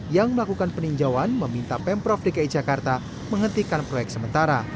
yang melakukan peninjauan meminta pemprov dki jakarta menghentikan proyek sementara